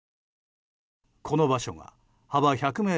この場所が、幅１００ｍ